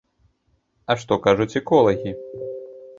А што кажуць эколагі?